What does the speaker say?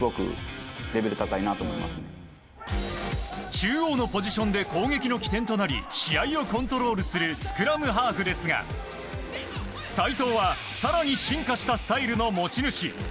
中央のポジションで攻撃の起点となり試合をコントロールするスクラムハーフですが齋藤は、更に進化したスタイルの持ち主。